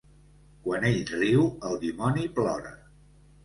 Quan ell riu, el dimoni plora.